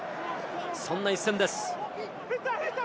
そんな一戦です。